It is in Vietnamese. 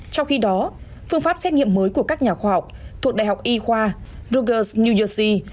trong khi đó phương pháp xét nghiệm mới của các nhà khoa học thuộc đại học y khoa rogerse new yorky